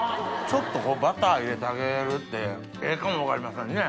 ちょっとバター入れてあげるってええかも分かりませんね。